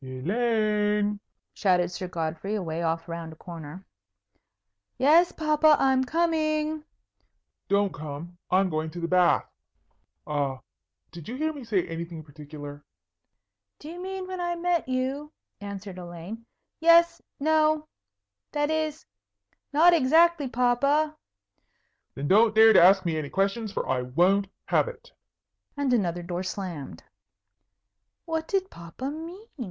"Elaine!" shouted Sir Godfrey, away off round a corner. "Yes, papa, I'm coming." "Don't come. I'm going to the bath. A did you hear me say anything particular?" "Do you mean when I met you?" answered Elaine. "Yes no that is, not exactly, papa." "Then don't dare to ask me any questions, for I won't have it." And another door slammed. "What did papa mean?"